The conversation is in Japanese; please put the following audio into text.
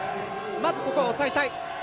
まず、ここは抑えたい。